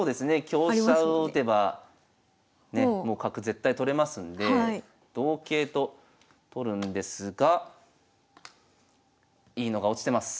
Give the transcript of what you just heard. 香車を打てばねもう角絶対取れますんで同桂と取るんですがいいのが落ちてます。